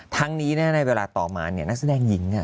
ทั้งนี้นะในเวลาต่อมาเนี่ยนักแสดงหญิงน่ะ